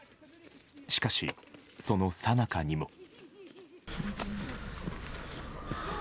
しかし、そのさなかにも。